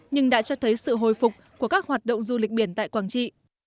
nhưng đã cho thấy sự hồi phục của các hoạt động du lịch biển tại quảng trị